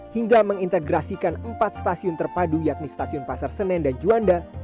hingga mengintegrasikan empat stasiun terpadu yakni stasiun pasar senen dan juanda